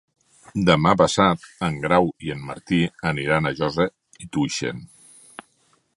Demà passat en Grau i en Martí aniran a Josa i Tuixén.